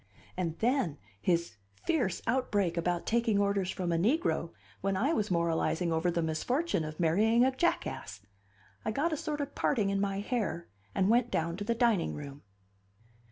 And then, his fierce outbreak about taking orders from a negro when I was moralizing over the misfortune of marrying a jackass! I got a sort of parting in my hair, and went down to the dining room.